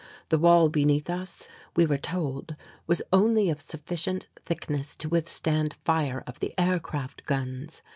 The wall beneath us, we were told, was only of sufficient thickness to withstand fire of the aircraft guns.